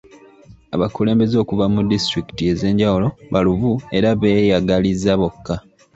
Abakulembeze okuva ku disitulikiti ez'enjawulo baluvu era beeyagaliza bokka.